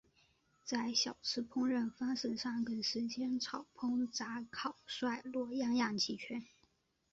在小吃烹调方式上更是煎炒烹炸烤涮烙样样齐全。